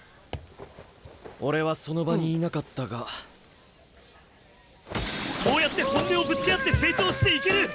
俺はその場にいなかったがそうやって本音をぶつけ合って成長していける！